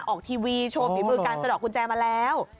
ออกทีวีโชว์ฝีมือการสะดอกกุญแจมาแล้ว